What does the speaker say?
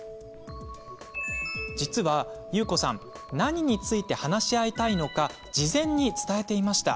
実は、ゆうこさん何について話し合いたいのか事前に伝えていました。